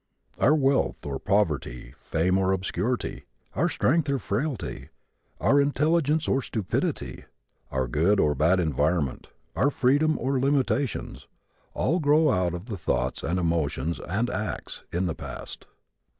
Our wealth or poverty, our fame or obscurity, our strength or frailty, our intelligence or stupidity, our good or bad environment, our freedom or limitations, all grow out of the thoughts and emotions and acts in the past.